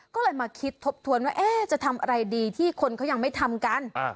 ก็เลยมาคิดทบทวนว่าจะทำอะไรดีที่คนเขายังไม่ทำกัน